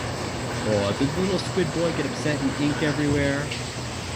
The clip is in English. Aw, did little squid boy get upset and ink everywhere?